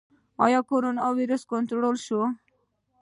آیا کرونا ویروس کنټرول شو؟